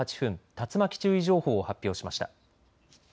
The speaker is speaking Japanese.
竜巻注意情報を発表しました。